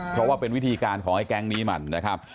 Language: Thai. เพราะว่าเป็นวิธีการของไอ้แก๊งนี้มันนะครับ